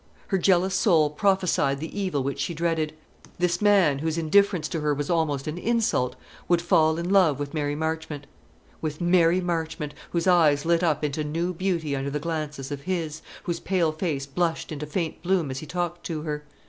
Her jealous soul prophesied the evil which she dreaded. This man, whose indifference to her was almost an insult, would fall in love with Mary Marchmont, with Mary Marchmont, whose eyes lit up into new beauty under the glances of his, whose pale face blushed into faint bloom as he talked to her.